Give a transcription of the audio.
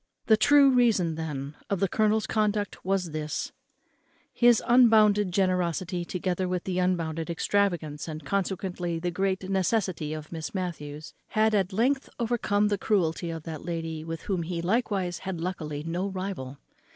The true reason, then, of the colonel's conduct was this: his unbounded generosity, together with the unbounded extravagance and consequently the great necessity of Miss Matthews, had at length overcome the cruelty of that lady, with whom he likewise had luckily no rival.